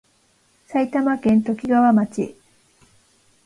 埼玉県ときがわ町